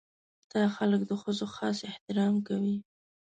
دا خلک د ښځو خاص احترام کوي.